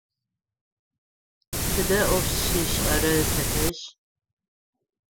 Тыдэ ӏоф щишӏэра тэтэжъ?